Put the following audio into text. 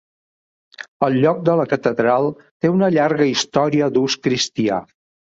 El lloc de la catedral té una llarga història d'ús cristià.